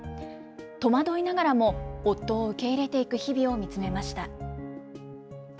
戸惑いながらも、夫を受け入れていく日々を見つめました。